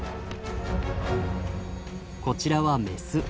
こちらはメス。